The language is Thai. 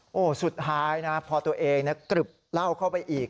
โอ้โหสุดท้ายนะพอตัวเองกรึบเหล้าเข้าไปอีก